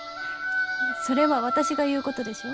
それは私が言うことでしょ？